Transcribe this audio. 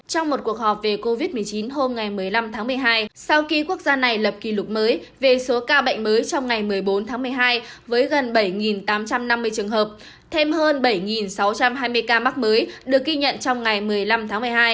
trong một cuộc họp về covid một mươi chín hôm ngày một mươi năm tháng một mươi hai sau khi quốc gia này lập kỷ lục mới về số ca bệnh mới trong ngày một mươi bốn tháng một mươi hai với gần bảy tám trăm năm mươi trường hợp thêm hơn bảy sáu trăm hai mươi ca mắc mới được ghi nhận trong ngày một mươi năm tháng một mươi hai